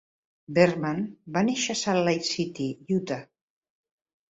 Bergman va néixer a Salt Lake City, Utah.